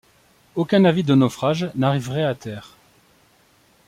Aucun avis de naufrage n’arriverait à terre.